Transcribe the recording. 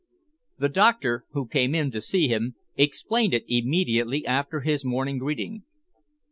The doctor, who came in to see him, explained it immediately after his morning greeting.